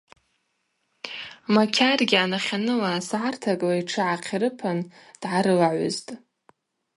Макьаргьи анахьаныла сагӏартакӏла йтшы гӏахъирыпан дгӏарылагӏвызтӏ.